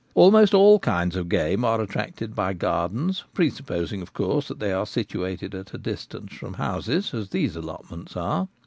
Almost all kinds of game are attracted by gardens, presupposing, of course, that they are situated at a distance from houses, as these allotments are.